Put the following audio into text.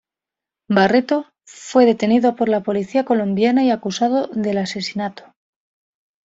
Barreto fue detenido por la Policía Colombiana y acusado del asesinato.